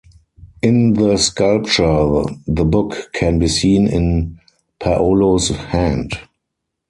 In the sculpture, the book can be seen in Paolo's hand.